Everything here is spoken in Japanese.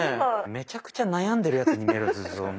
めちゃくちゃ悩んでるヤツに見える。